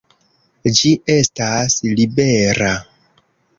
Ĝi estas libera!